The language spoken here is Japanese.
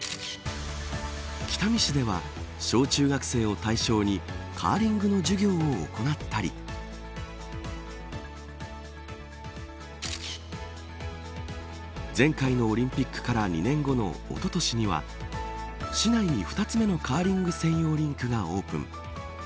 北見市では小中学生を対象にカーリングの授業を行ったり前回のオリンピックから２年後のおととしには市内に２つ目のカーリング専用リンクがオープン。